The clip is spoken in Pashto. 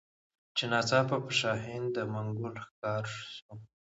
چي ناڅاپه د شاهین د منګول ښکار سو